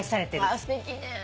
すてきね。